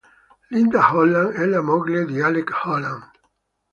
Linda Holland è la moglie di Alec Holland.